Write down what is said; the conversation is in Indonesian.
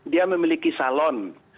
dia memiliki salon